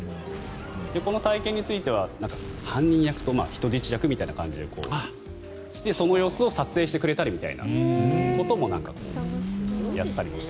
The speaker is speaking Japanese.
この体験については犯人役と人質役みたいな形でその様子を撮影してくれたりみたいなこともやったりもしているということです。